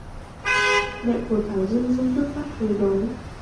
Mẹ của Thảo dưng dưng nước mắt rồi nói